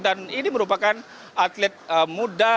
dan ini merupakan atlet muda